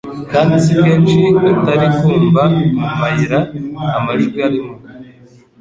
kandi si kenshi utari kumva mu mayira amajwi arimo ,